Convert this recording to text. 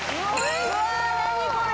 うわ何これ⁉